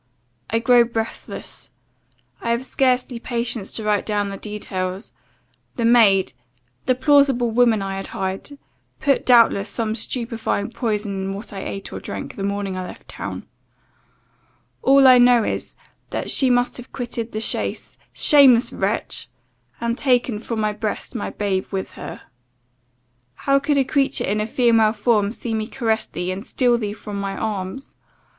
I grow breathless. I have scarcely patience to write down the details. The maid the plausible woman I had hired put, doubtless, some stupefying potion in what I ate or drank, the morning I left town. All I know is, that she must have quitted the chaise, shameless wretch! and taken (from my breast) my babe with her. How could a creature in a female form see me caress thee, and steal thee from my arms!